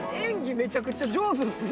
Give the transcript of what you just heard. めちゃくちゃ上手ですね。